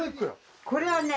「これはね